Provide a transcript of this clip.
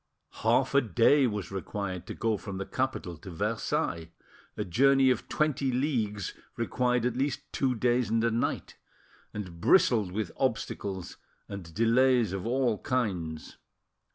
Half a day was required to go from the capital to Versailles; a journey of twenty leagues required at least two days and a night, and bristled with obstacles ind delays of all kinds.